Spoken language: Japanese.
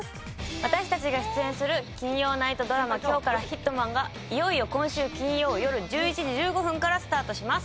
私たちが出演する金曜ナイトドラマ『今日からヒットマン』がいよいよ今週金曜よる１１時１５分からスタートします。